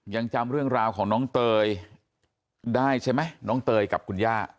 ยังจำเรื่องราวของน้องเตยได้ใช่ไหมน้องเตยกับคุณย่า